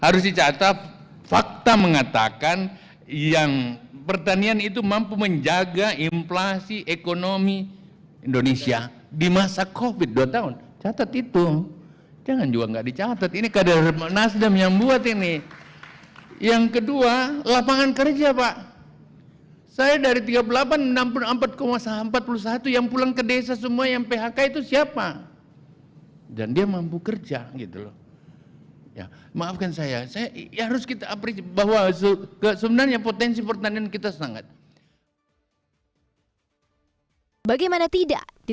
pengelolaan di sektor pertanian yang meliputi produksi dan kesejahteraan petani ternyata mampu menjadi penopang ekonomi nasional dan menjauhkan indonesia dari jeratan inflasi